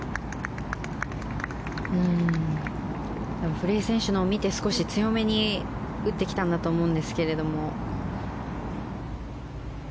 古江選手のを見て少し強めに打ってきたんだと思うんですけども。